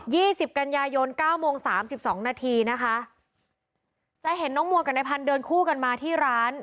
สิบกันยายนเก้าโมงสามสิบสองนาทีนะคะจะเห็นน้องมัวกับนายพันธุ์เดินคู่กันมาที่ร้าน